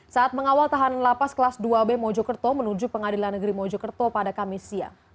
saat mengawal tahanan lapas kelas dua b mojokerto menuju pengadilan negeri mojokerto pada kamis siang